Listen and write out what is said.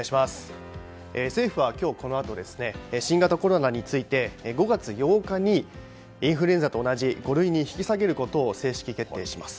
政府は今日、このあと新型コロナについて５月８日にインフルエンザと同じ五類に引き下げることを正式決定します。